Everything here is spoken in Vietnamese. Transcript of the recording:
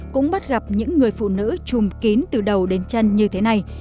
cũng bắt gặp những người phụ nữ chùm kín từ đầu đến chân như thế này